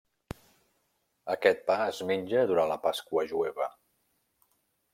Aquest pa es menja durant la Pasqua jueva.